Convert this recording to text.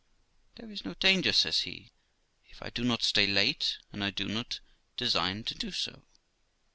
'There is no danger', says he, 'if I do not stay late, and I do not design to do so.'